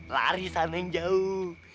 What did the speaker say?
lari sana yang jauh